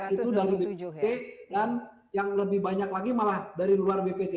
itu dari bpjt dan yang lebih banyak lagi malah dari luar bpt